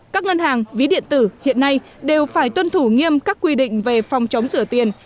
các ngân hàng ví điện tử hiện nay đều phải tuân thủ nghiêm các quy định về phòng chống rửa tiền